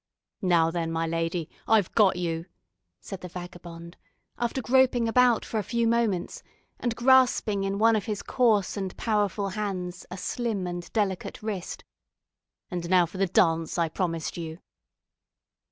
"Now, then, my lady, I've got you!" said the vagabond, after groping about for a few moments, and grasping in one of his coarse and powerful hands a slim and delicate wrist; "and now for the dance I promised you."